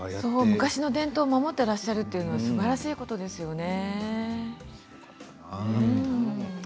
昔の伝統を守っていらっしゃるのはすばらしいことですよね。